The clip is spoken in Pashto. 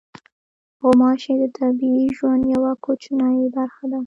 غوماشې د طبیعي ژوند یوه کوچنۍ برخه ده.